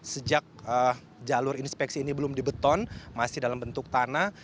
sejak jalur inspeksi ini belum dibeton masih dalam bentuk tanah